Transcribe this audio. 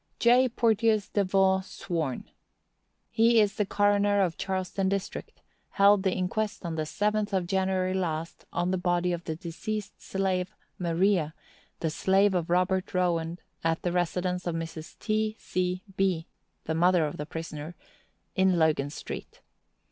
_ J. Porteous Deveaux sworn.—He is the coroner of Charleston district; held the inquest, on the seventh of January last, on the body of the deceased slave, Maria, the slave of Robert Rowand, at the residence of Mrs. T. C. Bee (the mother of the prisoner), in Logan street.